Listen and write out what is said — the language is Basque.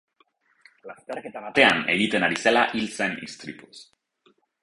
Lasterketa batean egiten ari zela hil zen istripuz.